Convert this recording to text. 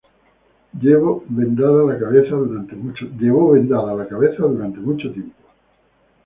Llevó vendada la cabeza durante mucho tiempo.